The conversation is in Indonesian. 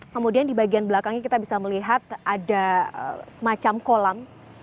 kemudian di bagian belakangnya kita bisa melihat ada semacam kolam